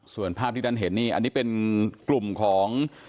ส่วนภาพที่ท่านเห็นนี่อันนี้เป็นกลุ่มของ